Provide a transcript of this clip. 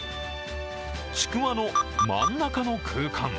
ちくわの真ん中の空間。